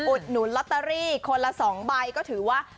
อุดหนุนลอตเตอรี่คนละ๒ใบก็ถือว่า